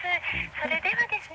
それではですね